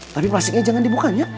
tapi plastiknya jangan dibukanya